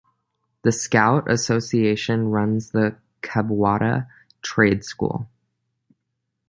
The Scout Association runs the Kabwata Trade School.